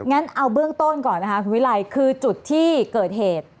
งั้นเอาเบื้องต้นก่อนนะคะคุณวิรัยคือจุดที่เกิดเหตุ